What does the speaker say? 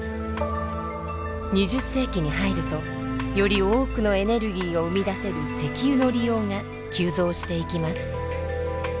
２０世紀に入るとより多くのエネルギーを生み出せる石油の利用が急増していきます。